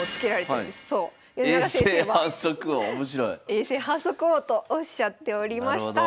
「永世反則王」とおっしゃっておりました。